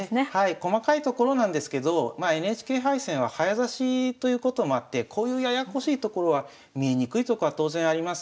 細かいところなんですけどＮＨＫ杯戦は早指しということもあってこういうややこしいところは見えにくいとこは当然あります。